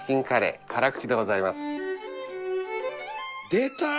出た！